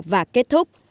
và kết thúc